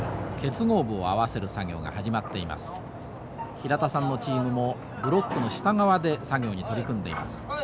平田さんのチームもブロックの下側で作業に取り組んでいます。